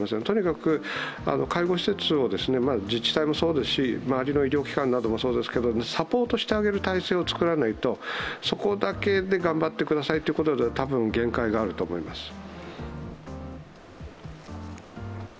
とにかく介護施設を自治体もそうですし、周りの医療機関もそうですがサポートしてあげる体制を作らないとそこだけで頑張ってくださいということでは多分限界があると思います。